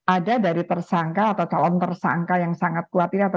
ada dari tersangka atau calon tersangka yang sangat kuat